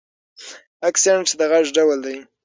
اکسنټ د غږ ډول دی.